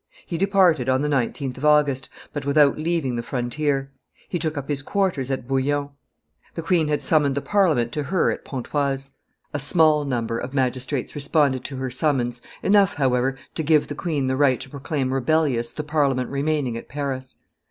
He departed on the 19th of August, but without leaving the frontier: he took up his quarters at Bouillon. The queen had summoned the Parliament to her at Pontoise. A small number of magistrates responded to her summons, enough, however, to give the queen the right to proclaim rebellious the Parliament remaining at Paris.